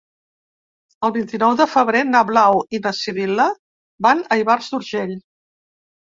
El vint-i-nou de febrer na Blau i na Sibil·la van a Ivars d'Urgell.